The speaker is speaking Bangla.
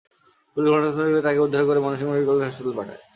পুলিশ ঘটনাস্থলে গিয়ে তাঁকে উদ্ধার করে ময়মনসিংহ মেডিকেল কলেজ হাসপাতালে পাঠায়।